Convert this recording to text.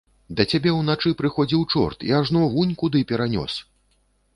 Да цябе ўначы прыходзіў чорт і ажно вунь куды перанёс!